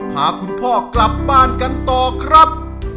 พาคุณพ่อกลับบ้านกันต่อครับ